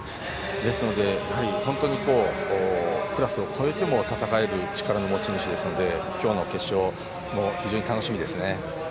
ですので本当にクラスを超えても戦える力の持ち主ですので今日の決勝、非常に楽しみですね。